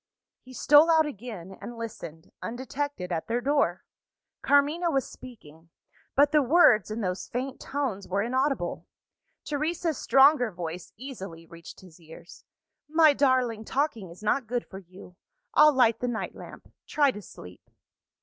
He stole out again, and listened, undetected, at their door. Carmina was speaking; but the words, in those faint tones, were inaudible. Teresa's stronger voice easily reached his ears. "My darling, talking is not good for you. I'll light the night lamp try to sleep."